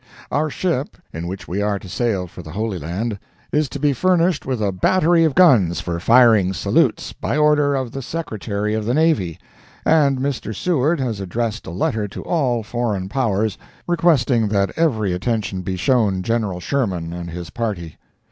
Our ship in which we are to sail for the Holy Land, is to be furnished with a battery of guns for firing salutes, by order of the Secretary of the Navy, and Mr. Seward has addressed a letter to all foreign powers, requesting that every attention be shown General Sherman and his party.